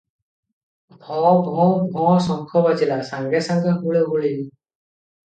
ଭୋଁ -ଭୋଁ -ଭୋଁ ଶଙ୍ଖ ବାଜିଲା! ସାଙ୍ଗେ ସାଙ୍ଗେ ହୁଳହୁଳି ।